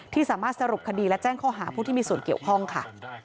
สามารถสรุปคดีและแจ้งข้อหาผู้ที่มีส่วนเกี่ยวข้องค่ะ